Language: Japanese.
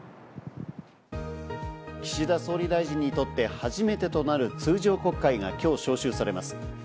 岸田総理大臣にとって初めてとなる通常国会が今日、召集されます。